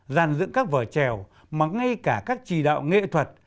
dàn dựng các vở trèo mà ngay cả các chỉ đạo nghệ thuật